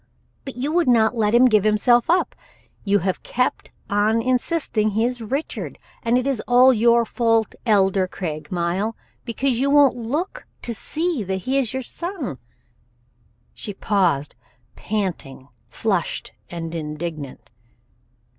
But you would not let him give himself up. You have kept on insisting he is Richard. And it is all your fault, Elder Craigmile, because you won't look to see that he is your son." She paused, panting, flushed and indignant.